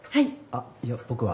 あっいや僕は。